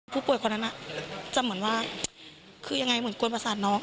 คนนั้นจะเหมือนว่าคือยังไงเหมือนกวนประสาทน้อง